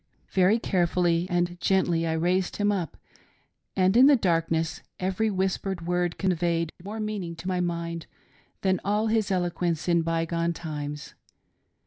" Very carefully and gently I raised him up, and, in the darkness, every whispered word conveyed more meaning to my mind than all his eloquence in by gone times.